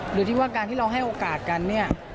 หรือที่ว่าการที่เราให้โอกาสกันเนี่ย